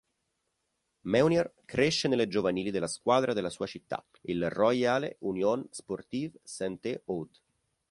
Meunier cresce nelle giovanili della squadra della sua città, il "Royale Union Sportive Sainte-Ode".